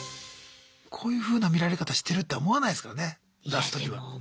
こういうふうな見られ方してるって思わないですからね出す時は。